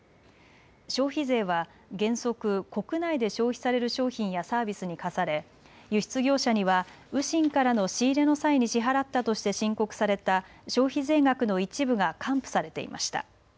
消費税は原則、国内で消費される商品やサービスに課され輸出業者には雨辰からの仕入れの際に支払ったとして申告された消費税額の一部が還付されていました。